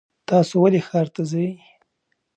تاسو ولې ښار ته ځئ؟